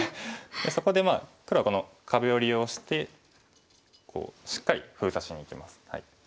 そこで黒はこの壁を利用してしっかり封鎖しにいきます。